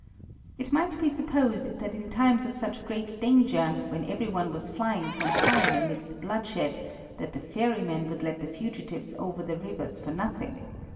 It might be supposed that in times of such great danger, when every one was flying from fire amidst bloodshed, that the ferrymen would let the fugitives over the rivers for nothing.